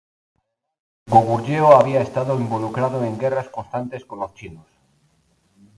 Además, Goguryeo había estado involucrado en guerras constantes con los chinos.